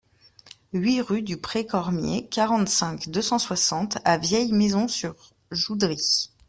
huit rue du Pré Cormier, quarante-cinq, deux cent soixante à Vieilles-Maisons-sur-Joudry